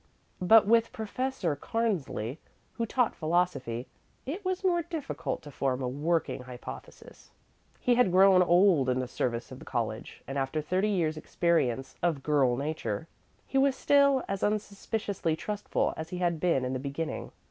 But with Professor Cairnsley, who taught philosophy, it was more difficult to form a working hypothesis. He had grown old in the service of the college, and after thirty years' experience of girl nature he was still as unsuspiciously trustful as he had been in the beginning.